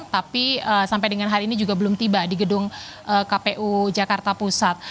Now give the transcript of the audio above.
tapi sampai dengan hari ini juga belum tiba di gedung kpu jakarta pusat